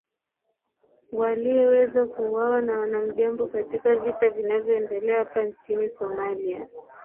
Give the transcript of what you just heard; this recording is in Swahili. walieweza kuuwawa na wanamgambo katika vita vinavyoendelea hapa nchini somalia